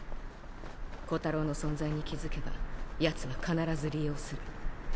弧太朗の存在に気付けば奴は必ず利用する。